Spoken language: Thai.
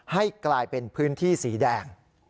ให้กลายเป็นพื้นที่สีแดง